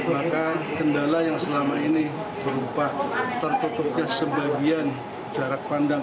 maka kendala yang selama ini berupa tertutupnya sebagian jarak pandang